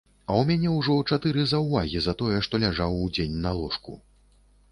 А ў мяне ўжо чатыры заўвагі за тое, што ляжаў удзень на ложку.